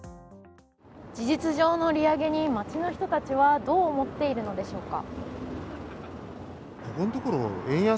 事実上の利上げに街の人たちはどう思っているのでしょうか。